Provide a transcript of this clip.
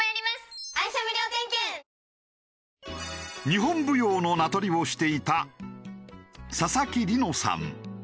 日本舞踊の名取をしていた佐々木梨乃さん